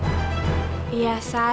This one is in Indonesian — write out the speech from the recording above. terima kasih bu